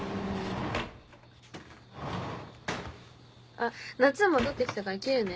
あっなっつん戻ってきたから切るね。